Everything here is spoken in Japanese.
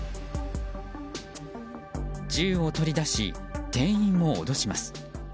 銃を取り出し、店員を脅します。